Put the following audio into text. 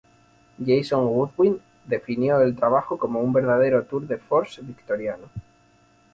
Jason Goodwin definió el trabajo como un verdadero tour de force victoriano.